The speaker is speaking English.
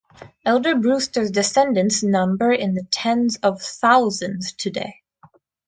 Elder Brewster's descendants number in the tens of thousands today.